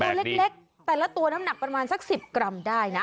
ตัวเล็กแต่ละตัวน้ำหนักประมาณสัก๑๐กรัมได้นะ